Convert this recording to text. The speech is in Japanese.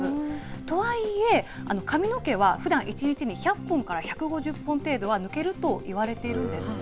とはいえ、髪の毛はふだん１日に１００本から１５０本程度は抜けるといわれているんですね。